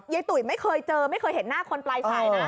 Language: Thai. ตุ๋ยไม่เคยเจอไม่เคยเห็นหน้าคนปลายสายนะ